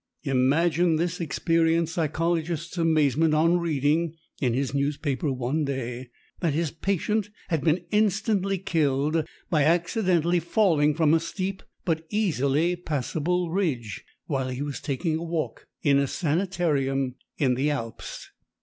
Imagine this experienced psychologist's amazement on reading in his newspaper one day that his patient had been instantly killed by accidentally falling from a steep but easily passable ridge while he was taking a walk in a sanitarium in the Alps."